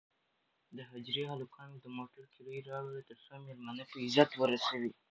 د حجرې هلکانو د موټر کیلي راوړه ترڅو مېلمانه په عزت ورسوي.